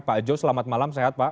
pak jos selamat malam sehat pak